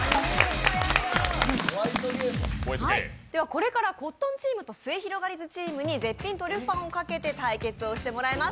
これからコットンチームとすゑひろがりずチームに絶品トリュフパンをかけて対決していただきます。